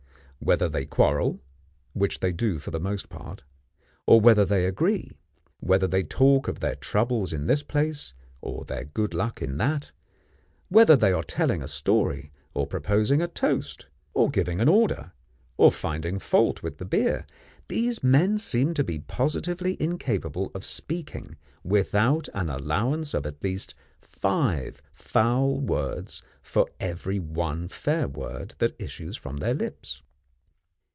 Whether they quarrel (which they do for the most part), or whether they agree; whether they talk of their troubles in this place, or their good luck in that; whether they are telling a story, or proposing a toast, or giving an order, or finding fault with the beer, these men seem to be positively incapable of speaking without an allowance of at least five foul words for every one fair word that issues from their lips.